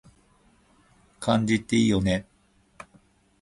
漢字っていいよね